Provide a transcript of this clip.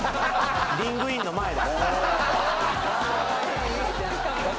「リングインの前だ」